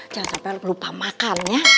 jangan sampai lupa makan ya